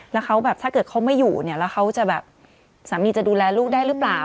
แล้วเขาแบบถ้าเกิดเขาไม่อยู่เนี่ยแล้วเขาจะแบบสามีจะดูแลลูกได้หรือเปล่า